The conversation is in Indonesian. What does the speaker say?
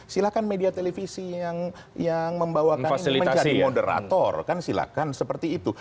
silahkan media televisi yang membawakan ini menjadi moderator kan silakan seperti itu